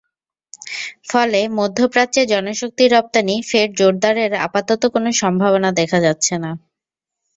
ফলে মধ্যপ্রাচ্যে জনশক্তি রপ্তানি ফের জোরদারের আপাতত কোনো সম্ভাবনা দেখা যাচ্ছে না।